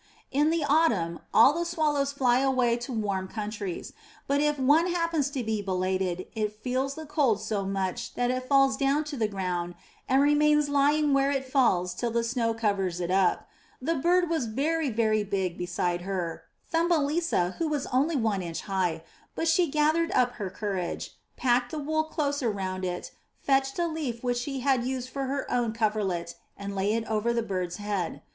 In the autumn all the swallows fly away to warm countries, but if one happens to be belated, it feels the cold so much that it falls down to the ground and remains lying where it falls till the snow covers it up. The bird was very, very big beside her — Thumb elisa who was only one inch high — but she gathered up her courage, packed the wool closer round it, fetched a leaf which she had used for her own coverlet and laid it over the bird's head.